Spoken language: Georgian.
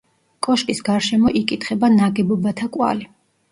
კოშკის გარშემო იკითხება ნაგებობათა კვალი.